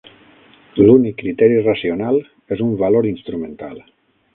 L'únic criteri racional és un valor instrumental.